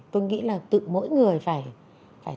tôi nghĩ là tự mỗi người phải